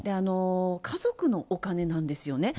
家族のお金なんですよね。